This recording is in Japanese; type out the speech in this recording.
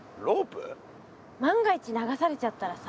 万が一流されちゃったらさ。